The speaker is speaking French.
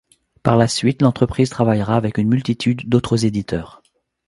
Par la suite, l'entreprise travaillera avec une multitude d'autres éditeurs.